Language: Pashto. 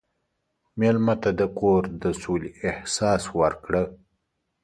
مېلمه ته د کور د سولې احساس ورکړه.